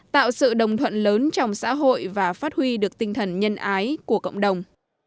tạo sự đồng thuận lớn trong xã hội và phát huy được tinh thần nhân ái của cộng đồng